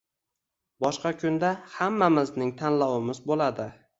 Boshqa kunda hammamizning tanlovimiz bo'ladi